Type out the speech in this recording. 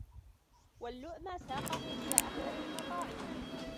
وَاللُّؤْمَ سَاقَهُ إلَى أَخْبَثِ الْمَطَاعِمِ